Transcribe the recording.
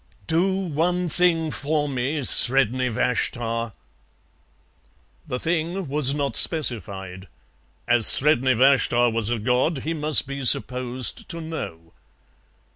"Do one thing for me, Sredni Vashtar." The thing was not specified. As Sredni Vashtar was a god he must be supposed to know.